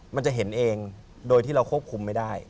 มันจะเห็นเองโดยที่เราควบคุมไม่ได้